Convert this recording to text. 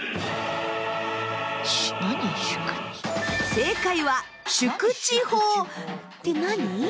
正解は縮地法って何？